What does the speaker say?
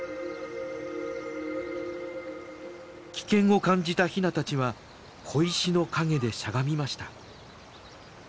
危険を感じたヒナたちは小石の陰でしゃがみました。